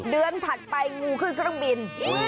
ถัดไปงูขึ้นเครื่องบิน